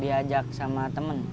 diajak sama temen